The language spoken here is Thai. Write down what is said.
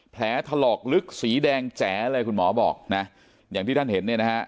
แผลถลอกลึกสีแดงแจ๋อะไรคุณหมอบอกนะอย่างที่ท่านเห็นเนี่ยนะฮะ